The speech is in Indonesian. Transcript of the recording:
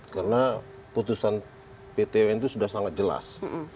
karena putusan pt un itu sudah sangat jelas